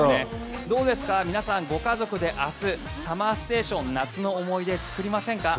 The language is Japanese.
どうですか、皆さんご家族で明日ＳＵＭＭＥＲＳＴＡＴＩＯＮ夏の思い出作りませんか？